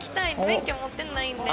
免許持ってないんで。